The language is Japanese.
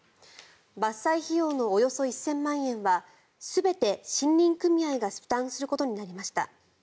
伐採費用のおよそ１０００万円は全て森林組合が負担することになりました。